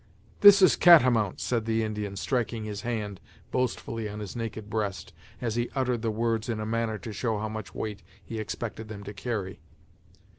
"This is Catamount!" said the Indian, striking his hand boastfully on his naked breast, as he uttered the words in a manner to show how much weight he expected them to carry.